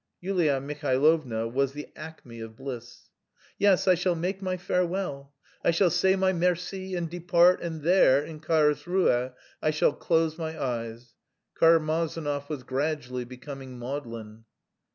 Yulia Mihailovna was at the acme of bliss. "Yes, I shall make my farewell; I shall say my Merci and depart and there... in Karlsruhe... I shall close my eyes." Karmazinov was gradually becoming maudlin.